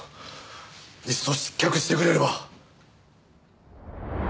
いっそ失脚してくれれば。